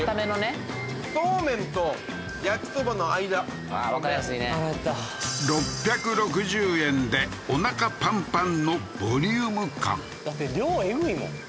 そうめんと焼きそばの間の麺わかりやすいね腹減った６６０円でお腹パンパンのボリューム感だって量エグいもん